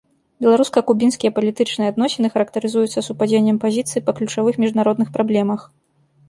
Беларуска-кубінскія палітычныя адносіны характарызуюцца супадзеннем пазіцый па ключавых міжнародных праблемах.